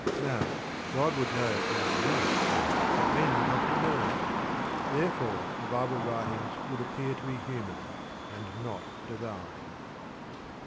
Now, God would know from the beginning; but men would have to learn. Therefore the Bible writings would appear to be human, and not divine.